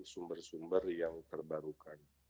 sumber sumber yang terbarukan